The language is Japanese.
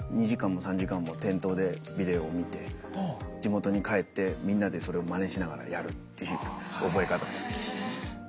２時間も３時間も店頭でビデオを見て地元に帰ってみんなでそれをまねしながらやるっていう覚え方です。